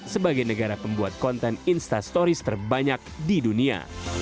sebagai negara pembuat konten instastoris terbanyak di dunia